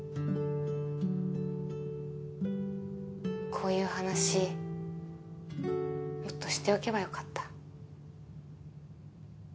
こういう話もっとしておけばよかった。